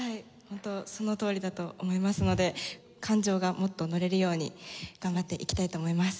ホントそのとおりだと思いますので感情がもっとのれるように頑張っていきたいと思います。